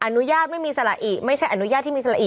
อนุญาตไม่มีสละอิไม่ใช่อนุญาตที่มีสละอิ